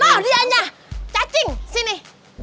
loh dianya cacing sini